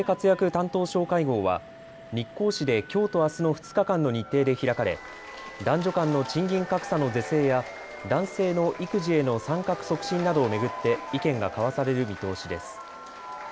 担当相会合は日光市できょうとあすの２日間の日程で開かれ男女間の賃金格差の是正や男性の育児への参画促進などを巡って意見が交わされる見通しです。